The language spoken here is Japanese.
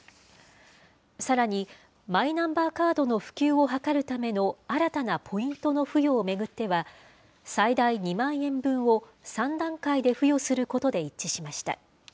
さらに、マイナンバーカードの普及を図るための新たなポイントの付与を巡っては、最大２万円分を３段階で付与することで一致しました。